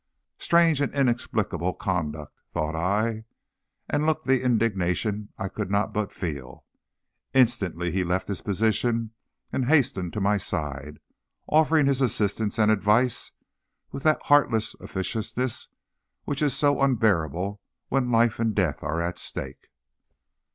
"Strange and inexplicable conduct," thought I, and looked the indignation I could not but feel. Instantly he left his position and hastened to my side, offering his assistance and advice with that heartless officiousness which is so unbearable when life and death are at stake.